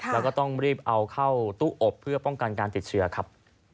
แล้วก็ต้องรีบเอาเข้าตู้อบเพื่อป้องกันการติดเชื้อครับ